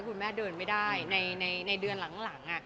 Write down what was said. คุณแม่ก็จะเดินได้ในเดือนหลัง